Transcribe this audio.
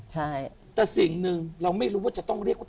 ใช่แต่สิ่งหนึ่งเราไม่รู้ว่าจะต้องเรียกว่า